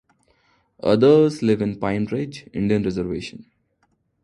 Others live on Pine Ridge Indian Reservation.